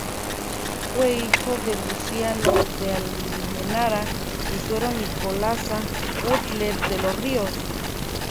Fue hijo de Luciano de Almenara y Suero y Nicolasa Butler de los Ríos.